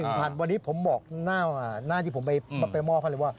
ผิดว่าวันนี้ผมบอกหน้าหน้าชีพผมไปประมอบค่ะเลยว่า